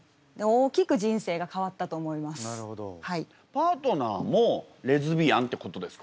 パートナーもレズビアンってことですか？